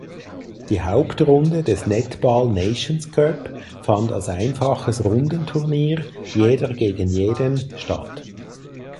Die Hauptrunde des Netball Nations Cup fand als einfaches Rundenturnier (Jeder gegen Jeden) statt.